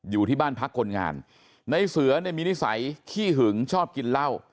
อยู่ที่บ้านพักคนงานในเสือเนี่ยมีนิสัยขี้หึงชอบกินเหล้า